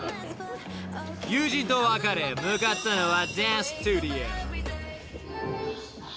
［友人と別れ向かったのは］